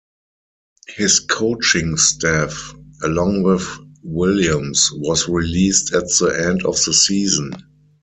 His coaching staff, along with Williams, was released at the end of the season.